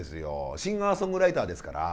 シンガーソングライターですから。